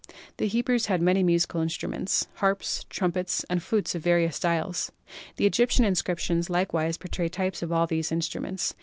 The Hebrews had many musical instruments — harps, trumpets and flutes of various styles. The Egyptian inscriptions likewise portray types of all these instruments.